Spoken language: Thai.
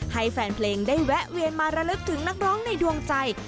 ให้แฟนเพลงได้แวะเวียนมาระลึกถึงนักร้องในดวงใจ